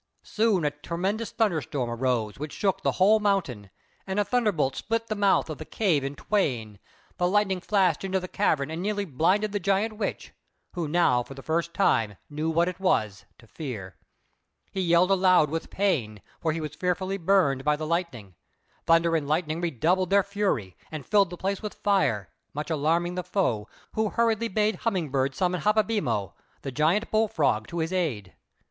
Soon a tremendous thunderstorm arose which shook the whole mountain, and a thunder bolt split the mouth of the cave in twain; the lightning flashed into the cavern and nearly blinded the Giant Witch, who now for the first time knew what it was to fear. He yelled aloud with pain, for he was fearfully burned by the lightning. Thunder and Lightning redoubled their fury, and filled the place with fire, much alarming the foe, who hurriedly bade Humming bird summon "Haplebembo," the big bull frog, to his aid.